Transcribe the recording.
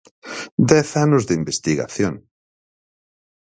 ¡Dez anos de investigación!